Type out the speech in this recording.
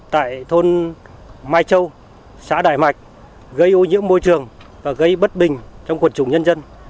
tại thôn mai châu xã đại mạch gây ô nhiễm môi trường và gây bất bình trong quần chủng nhân dân